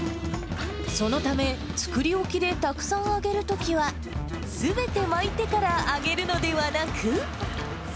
そのため、作り置きでたくさん揚げるときは、すべて巻いてから揚げるのではなく。